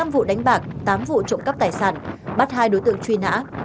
một mươi năm vụ đánh bạc tám vụ trộm cắp tài sản bắt hai đối tượng truy nã